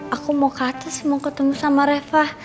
aku mau ke atas mau ketemu sama reva